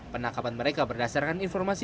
penangkapan mereka berdasarkan informasi